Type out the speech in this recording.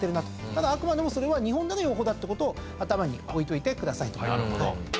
ただあくまでもそれは日本だけの用法だってことを頭に置いといてくださいと。